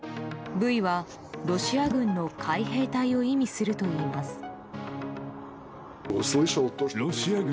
「Ｖ」はロシア軍の海兵隊を意味するといいます。